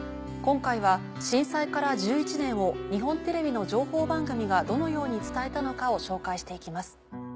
今回は震災から１１年を日本テレビの情報番組がどのように伝えたのかを紹介して行きます。